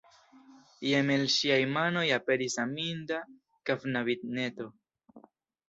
Jen el ŝiaj manoj aperis aminda knabineto.